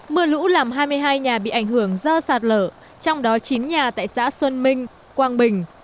mưa lũ làm hai mươi hai nhà bị ảnh hưởng do sạt lở trong đó chín nhà tại xã xuân minh quang bình